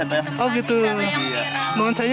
bawah sini tapi masalahnya